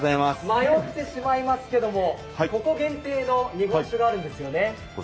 迷っていまいますけれども、ここ限定の日本酒があるんですよね。